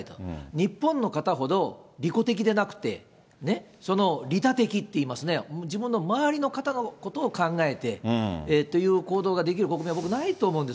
日本の方ほど利己的でなくて、その利他的っていいますね、自分の周りの方のことを考えてという行動ができると、僕はないと思うんです。